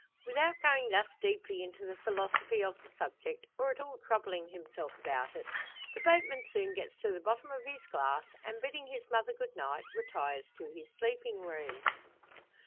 Without going thus deeply into the philosophy of the subject, or at all troubling himself about it, the boatman soon gets to the bottom of his glass, and bidding his mother good night, retires to his sleeping room.